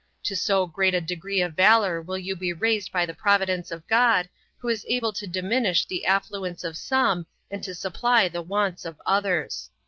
To so great a degree of valor will you be raised by the providence of God, who is able to diminish the affluence of some, and to supply the wants of others."